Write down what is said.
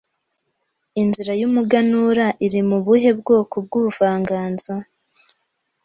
Inzira y’umuganura iri mu buhe bwoko w’ubuvanganzo